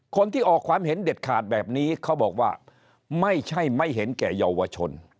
คนที่ออกความเห็นเด็ดขาดแบบนี้เขาบอกว่าไม่ใช่ไม่เห็นแก่เยาวชน